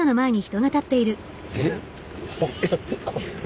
えっ？